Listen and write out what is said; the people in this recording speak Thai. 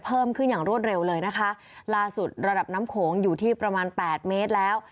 เพิ่มขึ้นอย่างรวดเร็วเลยนะคะล่าสุดระดับน้ำโขงอยู่ที่ประมาณแปดเมตรแล้ว